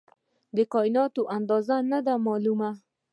د کائنات اندازه نه ده معلومه.